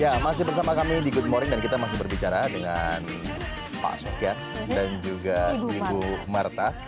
ya masih bersama kami di good morning dan kita masih berbicara dengan pak sofian dan juga ibu marta